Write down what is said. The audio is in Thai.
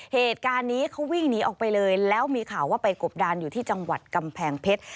เหตุการณ์นี้เขาวิ่งหนีออกไปเลยแล้วมีข่าวว่าไปกบดานอยู่ที่จังหวัดกำแพงเพชร